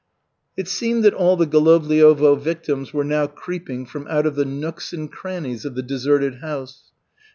It seemed that all the Golovliovo victims were now creeping from out of the nooks and crannies of the deserted house.